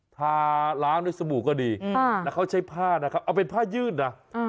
ทาล้างด้วยสบู่ก็ดีแล้วเขาใช้ผ้านะครับเอาเป็นผ้ายื่นนะ